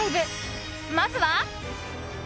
まずは。